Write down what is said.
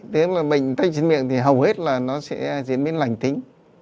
nếu mà mình tay trên miệng thì hầu hết là nó sẽ diễn biến lành tính